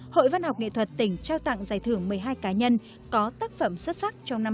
hội văn học nghệ thuật tỉnh trao tặng giải thưởng một mươi hai cá nhân có tác phẩm xuất sắc trong năm hai nghìn một mươi chín